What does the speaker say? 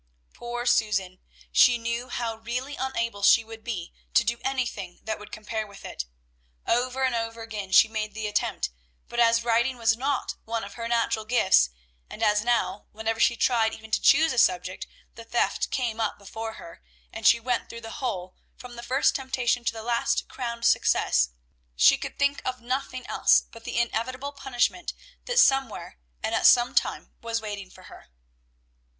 Poor Susan! She knew how really unable she would be to do anything that would compare with it. Over and over again she made the attempt; but as writing was not one of her natural gifts, and as now, whenever she tried even to choose a subject, the theft came up before her, and she went through the whole, from the first temptation to the last crowned success, she could think of nothing else but the inevitable punishment that somewhere and at some time was waiting for her.